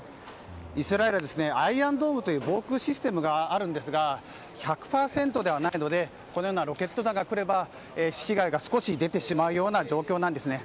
イスラエルアイアンドームという防空システムがあるんですが１００％ではないのでこのようなロケット弾が来れば被害が少し出てしまう状況なんですね。